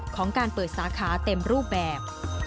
ของการเปิดสาขาเต็มรูปแบบ